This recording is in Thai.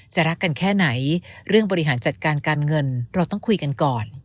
รักกันแค่ไหนเรื่องบริหารจัดการการเงินเราต้องคุยกันก่อน